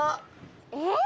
えっ？